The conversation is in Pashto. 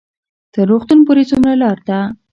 تر روغتون پورې څومره لار ده؟